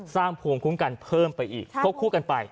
ภูมิคุ้มกันเพิ่มไปอีกควบคู่กันไป